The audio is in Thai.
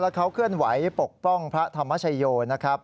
เขาเคลื่อนไหวปกป้องพระธรรมชโยนะครับ